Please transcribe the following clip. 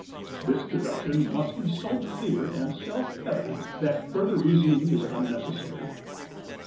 This deduction must be so clear and self evident that further reasoning is unnecessary.